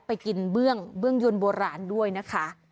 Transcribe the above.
ไปกินเบื้องยนต์โบราณด้วยนะคะ